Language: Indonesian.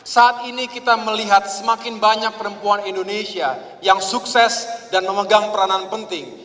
saat ini kita melihat semakin banyak perempuan indonesia yang sukses dan memegang peranan penting